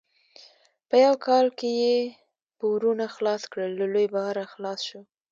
په یو کال یې پورونه خلاص کړل؛ له لوی باره خلاص شو.